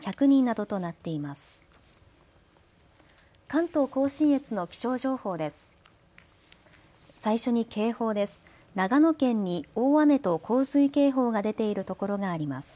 関東甲信越の気象情報です。